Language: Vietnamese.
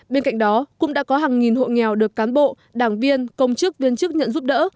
bên cạnh đó cũng đã có hàng nghìn hộ nghèo được cán bộ đảng viên công chức viên chức nhận giúp đỡ